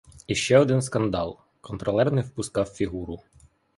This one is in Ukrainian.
Іще один скандал: контролер не впускав фігуру.